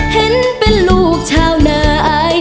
เห็นเป็นลูกเช้าน๊าย